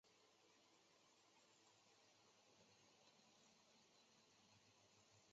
伊塔茹巴是巴西米纳斯吉拉斯州的一个市镇。